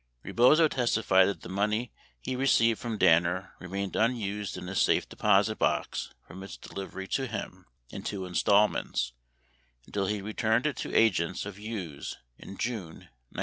Rebozo testified that the money he received from Danner remained unused in a safe deposit box from its delivery to him — in two installments — until he returned it to agents of Hughes in June 1973.